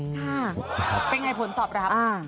เป็นไงผลตอบนะครับ